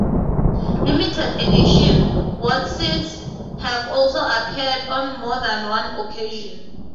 "Limited edition" Wotsits have also appeared on more than one occasion.